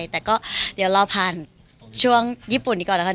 แต่ก็เดี๋ยวรอผ่านช่วงญี่ปุ่นนี้ก่อนแล้วกัน